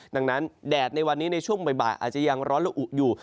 ดังนั้นแดดในวันนี้ในช่วงบ่ายอาจจะยังร้อนละอุอยู่